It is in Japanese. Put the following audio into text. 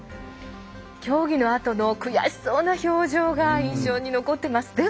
競技のあとの悔しそうな表情が印象に残っています。